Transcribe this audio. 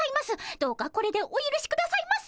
どうかこれでおゆるしくださいませ。